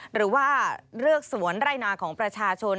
หรือว่าเลือกสวนไร่นาของประชาชน